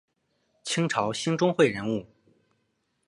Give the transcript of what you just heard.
清朝兴中会人物。